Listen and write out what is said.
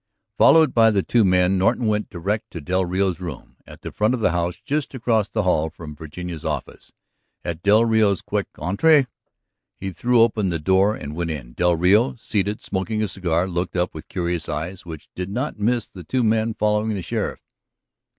Followed by the two men, Norton went direct to del Rio's room, at the front of the house, just across the hall from Virginia's office. At del Rio's quick "Entra," he threw open the door and went in. Del Rio, seated smoking a cigar, looked up with curious eyes which did not miss the two men following the sheriff.